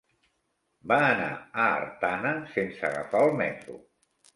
Va anar a Artana sense agafar el metro.